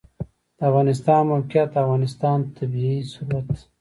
د افغانستان موقعیت د افغانستان طبعي ثروت دی.